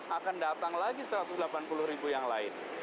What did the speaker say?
akan datang lagi satu ratus delapan puluh ribu yang lain